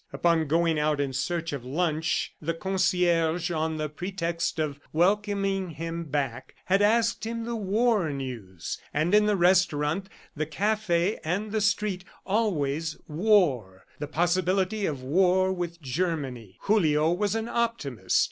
Upon going out in search of lunch the concierge, on the pretext of welcoming him back, had asked him the war news. And in the restaurant, the cafe and the street, always war ... the possibility of war with Germany. ... Julio was an optimist.